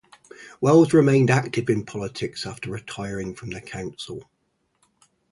Wells remained active in politics after retiring from the council.